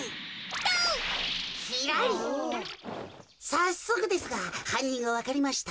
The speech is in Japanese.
さっそくですがはんにんがわかりました。